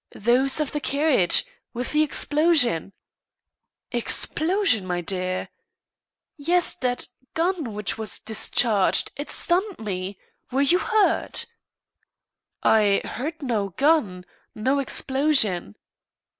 "Those of the carriage with the explosion." "Explosion, my dear!" "Yes. That gun which was discharged. It stunned me. Were you hurt?" "I heard no gun no explosion."